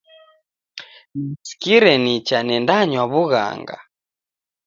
Nasikire nicha nendanywa w'ughanga.